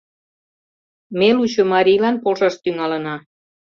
Ме лучо марийлан полшаш тӱҥалына...